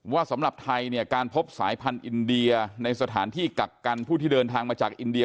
สำหรับไทยเนี่ยการพบสายพันธุ์อินเดียในสถานที่กักกันผู้ที่เดินทางมาจากอินเดีย